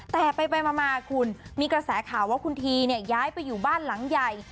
แต่ไปมาคุณมีกระแสข่าวว่าคุณทีเนี่ยย้ายไปอยู่บ้านหลังใหญ่